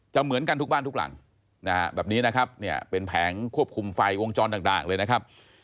เหมือนกันทุกบ้านทุกหลังนะฮะแบบนี้นะครับเนี่ยเป็นแผงควบคุมไฟวงจรต่างเลยนะครับ